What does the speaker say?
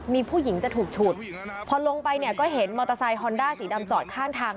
มีผู้หญิงจะถูกฉุดพอลงไปเนี่ยก็เห็นมอเตอร์ไซคอนด้าสีดำจอดข้างทาง